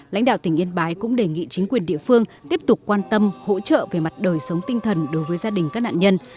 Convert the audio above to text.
lãnh đạo tỉnh yên bái cũng đề nghị chính quyền địa phương tiếp tục quan tâm hỗ trợ về mặt đời sống tinh thần đối với gia đình các nạn nhân